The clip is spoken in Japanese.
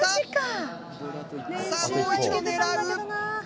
さあもう一度狙う。